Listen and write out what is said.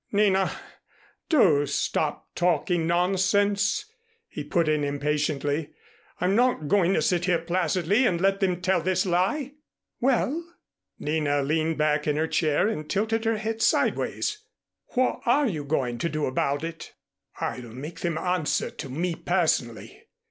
"Nina, do stop talking nonsense," he put in impatiently. "I'm not going to sit here placidly and let them tell this lie." "Well," Nina leaned back in her chair and tilted her head sideways "what are you going to do about it?" "I'll make them answer to me personally.